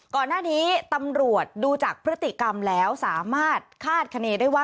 ก่อนหน้านี้ตำรวจดูจากพฤติกรรมแล้วสามารถคาดคณีได้ว่า